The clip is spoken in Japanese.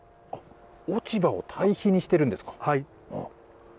落ち葉を堆肥にしてるんですか。